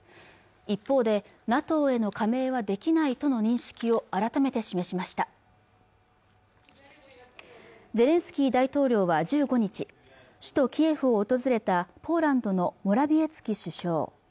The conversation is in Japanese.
一方でＮＡＴＯへの加盟はできないとの認識を改めて示しましたゼレンスキー大統領は１５日首都キエフを訪れたポーランドのモラヴィエツキ首相